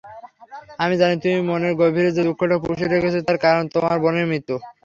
আমি জানি তুমি মনের গভীরে যে দুঃখটা পুষে রেখেছো তার কারন তোমার বোনের মৃত্যু।